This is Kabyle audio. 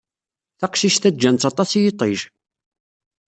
Taqcict-a ǧǧan-tt aṭas i yiṭij.